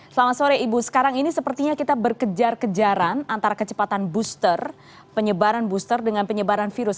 selamat sore ibu sekarang ini sepertinya kita berkejar kejaran antara kecepatan booster penyebaran booster dengan penyebaran virus